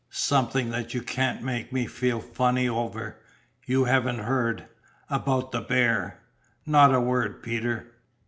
"Something that you can't make me feel funny over. You haven't heard about the bear?" "Not a word, Peter."